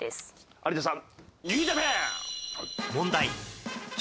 有田さん。